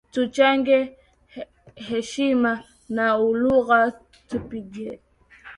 Tuichange heshima, na ulugha tuupinge,